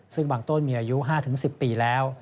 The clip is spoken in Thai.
ซึ่งบางต้นมีอายุ๕๑๐ปีแล้ว